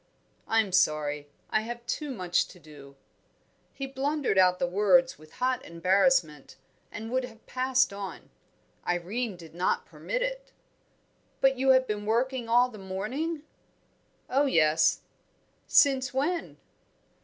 "I'm sorry I have too much to do." He blundered out the words with hot embarrassment, and would have passed on. Irene did not permit it. "But you have been working all the morning?" "Oh, yes " "Since when?"